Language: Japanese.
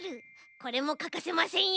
これもかかせませんよ。